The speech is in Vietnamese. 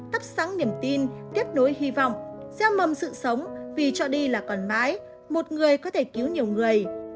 thắp sáng niềm tin kết nối hy vọng gieo mầm sự sống vì cho đi là còn mãi một người có thể cứu nhiều người